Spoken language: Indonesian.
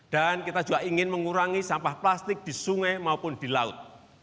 dan kita juga ingin mengurangi sampah plastik di sungai maupun di laut